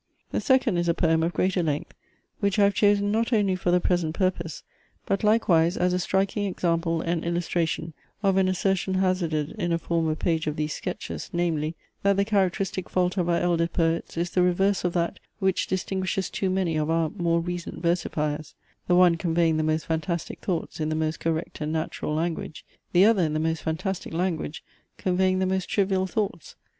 The second is a poem of greater length, which I have chosen not only for the present purpose, but likewise as a striking example and illustration of an assertion hazarded in a former page of these sketches namely, that the characteristic fault of our elder poets is the reverse of that, which distinguishes too many of our more recent versifiers; the one conveying the most fantastic thoughts in the most correct and natural language; the other in the most fantastic language conveying the most trivial thoughts.